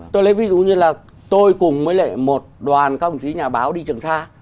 tôi lấy ví dụ như là tôi cùng với lại một đoàn các ông chí nhà báo đi trường xa